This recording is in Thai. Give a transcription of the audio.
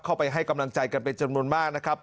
เข้าไปให้กำลังใจกันไปจนมนต์มากนะครับ